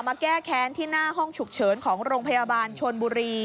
มาแก้แค้นที่หน้าห้องฉุกเฉินของโรงพยาบาลชนบุรี